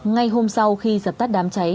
ngay hôm sau khi dập tắt đám cháy